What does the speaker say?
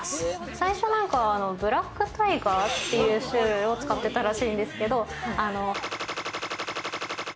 最初は何かブラックタイガーっていう種類を使ってたらしいんですけどで